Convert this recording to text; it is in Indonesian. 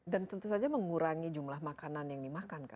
dan tentu saja mengurangi jumlah makanan yang dimakan